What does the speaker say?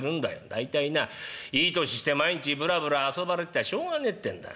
大体ないい年して毎日ブラブラ遊ばれてちゃしょうがねえってんだ。